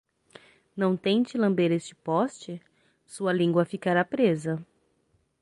Não tente lamber esse poste? sua língua ficará presa!